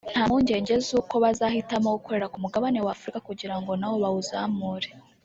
nta mpungenge z’uko bazahitamo gukorera ku mugabane wa Afurika kugira ngo nawo bawuzamure